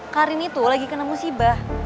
karin itu lagi kena musibah